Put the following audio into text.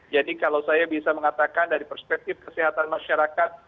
jadi kalau saya bisa mengatakan dari perspektif kesehatan masyarakat